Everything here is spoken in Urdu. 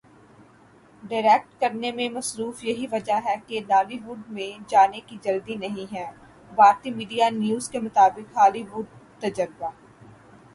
ڈائریکٹ کرنے میں مصروف یہی وجہ ہے کہ لالی ووڈ میں جانے کی جلدی نہیں ہے بھارتی میڈیا نیوز کے مطابق ہالی ووڈ تجربہ